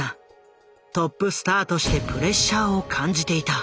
トップスターとしてプレッシャーを感じていた。